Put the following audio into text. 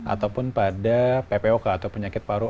ataupun pada ppok atau penyakit paru